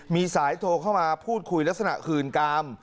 มีสายโทรเข้ามาพูดคุยลักษณะคืนกาม